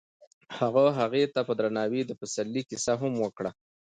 هغه هغې ته په درناوي د پسرلی کیسه هم وکړه.